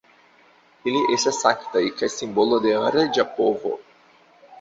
Ili estas sanktaj kaj simbolo de reĝa povo.